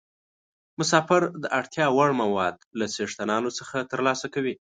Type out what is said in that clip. مسافر د اړتیا وړ مواد له څښتنانو څخه ترلاسه کوي.